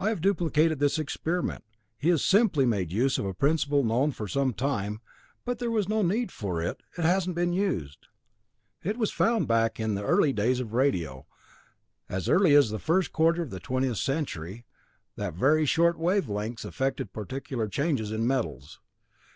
"I have duplicated his experiment. He has simply made use of a principle known for some time, but as there was no need for it, it hasn't been used. It was found back in the early days of radio, as early as the first quarter of the twentieth century, that very short wavelengths effected peculiar changes in metals.